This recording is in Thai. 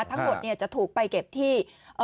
ทั้งหมดจะถูกไปเก็บที่